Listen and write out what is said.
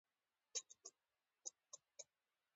ژبه د پوهي خزانه ده.